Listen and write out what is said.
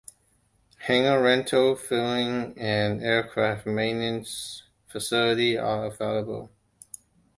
Hangar rental, fueling, and aircraft maintenance facilities are available.